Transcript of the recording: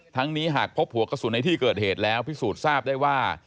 นี้หากพบหัวกระสุนในที่เกิดเหตุแล้วพิสูจน์ทราบได้ว่า